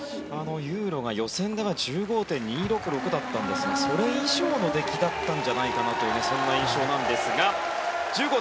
ユーロが予選では１５．２６６だったんですがそれ以上の出来だったんじゃないかというそんな印象なんですが１５．１６６です。